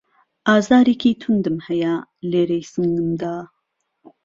ئازارێکی توندم هەیە لێرەی سنگمدا